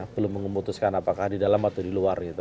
belum memutuskan apakah di dalam atau di luar gitu